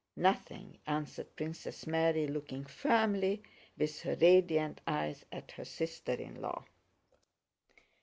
"Nothing," answered Princess Mary, looking firmly with her radiant eyes at her sister in law.